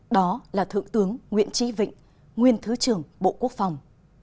đó là thượng tướng nguyễn trí vịnh nguyên thứ trưởng bộ quốc phòng